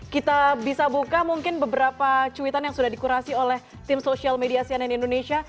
kita bisa buka mungkin beberapa cuitan yang sudah dikurasi oleh tim sosial media cnn indonesia